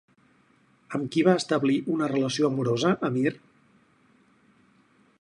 Amb qui va establir una relació amorosa Amir?